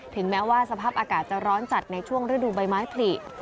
แม้ว่าสภาพอากาศจะร้อนจัดในช่วงฤดูใบไม้ผลิ